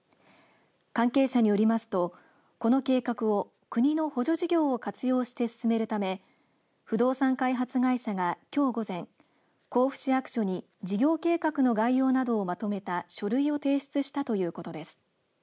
関係者によりますとこの計画を国の補助事業を活用して進めるため不動産開発会社が、きょう午前甲府市役所に事業計画の概要などをまとめた書類を提出したということです。